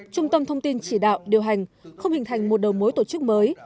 trung tâm thông tin chỉ đạo điều hành không hình thành một đầu mối tổ chức mới